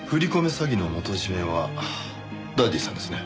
詐欺の元締はダディさんですね。